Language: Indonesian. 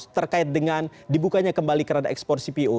terkait dengan dibukanya kembali kerada ekspor cpo